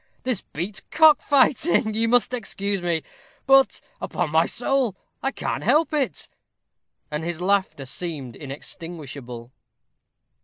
This beats cock fighting ha, ha, ha! you must excuse me; but, upon my soul, I can't help it." And his laughter seemed inextinguishable.